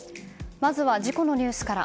まずは事故のニュースから。